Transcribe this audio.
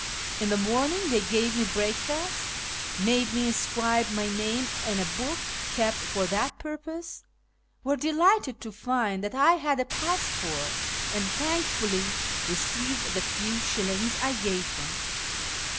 In the morn ing they gave me breakfast, made me inscribe my name in a book kept for that purpose, were delighted to find that I had a passport, and thankfully received the few shillings I gave them.